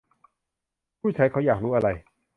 ผู้ใช้เขาอยากรู้อะไร